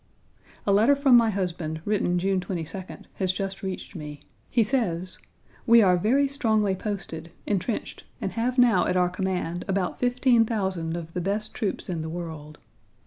A letter from my husband, written June 22d, has just reached me. He says: "We are very strongly posted, entrenched, and have now at our command about 15,000 of the best troops in the world.